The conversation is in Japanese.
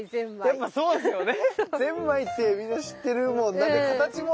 あっそうですよね。